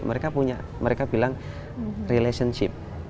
mereka punya mereka bilang relationship